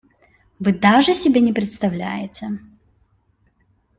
Вы даже себе не представляете.